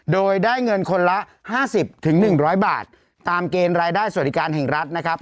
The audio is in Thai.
โดยได้เงินคนละ๕๐๑๐๐บาทตามเกณฑ์รายได้สวัสดิการแห่งรัฐนะครับ